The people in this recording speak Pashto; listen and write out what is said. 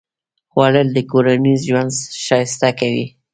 خوړل د کورنۍ ژوند ښایسته کوي